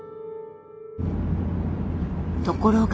ところが。